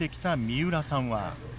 三浦さん